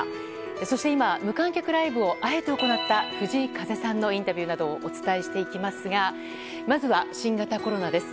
そして今、無観客ライブをあえて行った藤井風さんのインタビューなどをお伝えしていきますがまずは、新型コロナです。